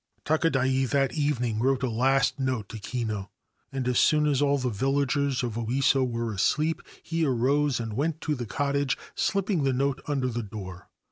Takadai that evening wrote a last note to Kinu, and as soon as the villagers of Oiso were asleep he arose and went to the cottage, slipping the note under the door.